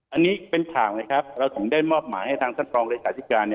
อันนี้เป็นข่าวไงครับเราถึงได้มอบหมายให้ทางท่านรองเลขาธิการ